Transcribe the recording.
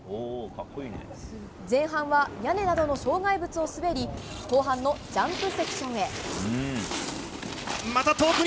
前半は屋根などの障害物を滑り後半のジャンプセクションへ。